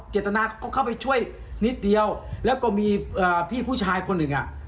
เจตนาก็เข้าไปช่วยนิดเดียวแล้วก็มีพี่ผู้ชายคนหนึ่งอ่ะ